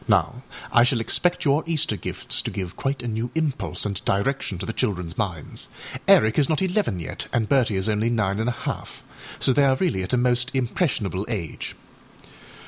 Now I shall expect your Easter gifts to give quite a new impulse and direction to the childrenâs minds; Eric is not eleven yet, and Bertie is only nine and a half, so they are really at a most impressionable age.